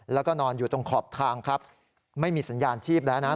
แล้วก็นอนอยู่ตรงขอบทางครับไม่มีสัญญาณชีพแล้วนะ